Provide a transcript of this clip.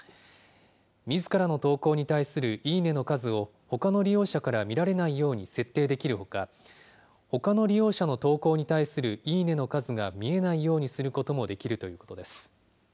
みずからの投稿に対するいいね！の数をほかの利用者から見られないように設定できるほか、ほかの利用者の投稿に対するいいね！の数が見えないようにすることもできるということです。